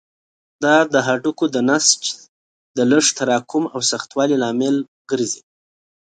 دا د هډوکو د نسج د لږ تراکم او سختوالي لامل ګرځي.